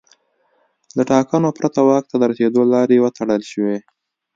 له ټاکنو پرته واک ته د رسېدو لارې وتړل شوې.